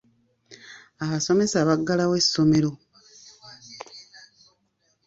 Abasomesa baggalawo essomero.